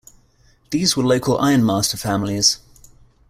These were local ironmaster families.